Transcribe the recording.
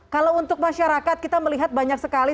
kalau untuk masyarakat kita melihat banyak sekali